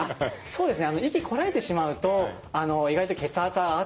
そうですね。